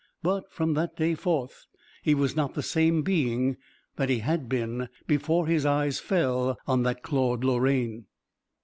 But from that day forth he was not the same being that he had been before his eyes fell on that Claude Lorraine.